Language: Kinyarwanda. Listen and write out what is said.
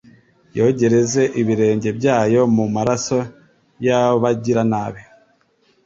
yogereze ibirenge byayo mu maraso y’abagiranabi